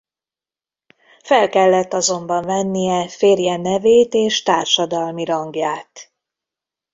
Fel kellett azonban vennie férje nevét és társadalmi rangját.